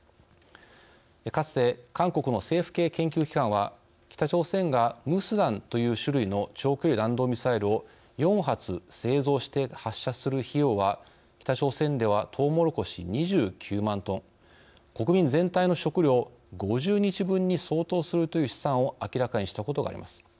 かつて、韓国の政府系研究機関は北朝鮮がムスダンという種類の長距離弾道ミサイルを４発製造して、発射する費用は北朝鮮ではトウモロコシ２９万トン国民全体の食糧５０日分に相当するという試算を明らかにしたことがあります。